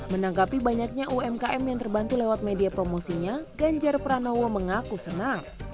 menanggapi banyaknya umkm yang terbantu lewat media promosinya ganjar pranowo mengaku senang